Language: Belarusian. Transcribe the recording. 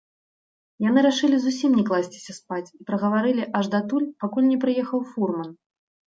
Яны рашылі зусім не класціся спаць і прагаварылі аж датуль, пакуль не прыехаў фурман.